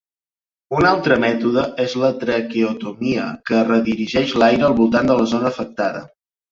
Un altre mètode és la traqueotomia, que redirigeix l'aire al voltant de la zona afectada.